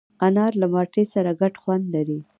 انار له مالټې سره ګډ خوند لري.